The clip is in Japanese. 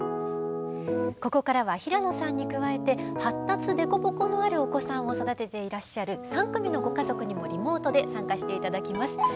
ここからは平野さんに加えて発達凸凹のあるお子さんを育てていらっしゃる３組のご家族にもリモートで参加して頂きます。